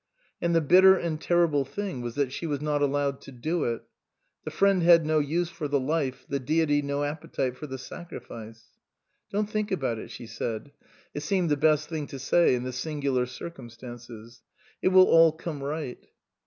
And the bitter and terrible thing was that she was not allowed to do it. The friend had no use for the life, the deity no appetite for the sacrifice. " Don't think about it," she said ; it seemed the best thing to say in the singular circum stances. "It will all come right."